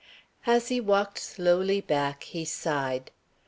As he walked slowly back, he sighed.